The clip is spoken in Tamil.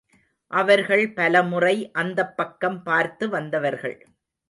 அவர்கள் பலமுறை அந்தப் பக்கம் பார்த்து வந்தவர்கள்.